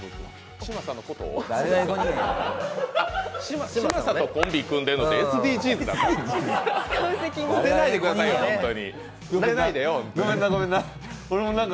嶋佐とコンビ組んでるのがＳＤＧｓですか。